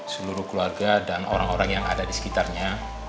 seluruh keluarga dan orang orang yang ada di sekitarnya